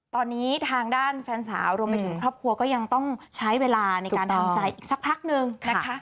ตอนนี้ทางด้านแฟนสาวรวมไปถึงครอบครัวก็ยังต้องใช้เวลาในการทำใจอีกสักพักนึงนะคะ